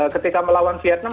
ketika melawan vietnam